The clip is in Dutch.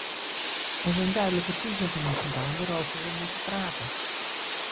Er zijn duidelijke toezeggingen gedaan waarover we moeten praten.